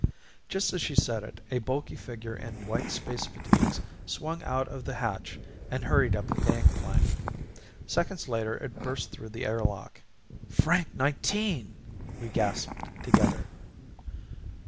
Just as she said it a bulky figure in white space fatigues swung out of the hatch and hurried up the gangplank. Seconds later it burst through the airlock. "Frank Nineteen!" we gasped together.